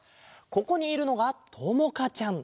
ここにいるのがともかちゃん！